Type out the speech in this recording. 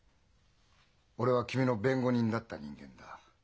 俺は君の弁護人だった人間だ。